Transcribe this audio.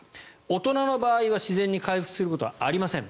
大人の場合は自然に回復することはありません。